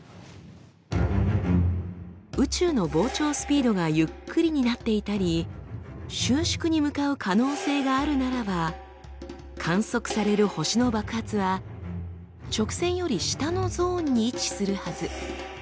宇宙の膨張スピードがゆっくりになっていたり収縮に向かう可能性があるならば観測される星の爆発は直線より下のゾーンに位置するはず。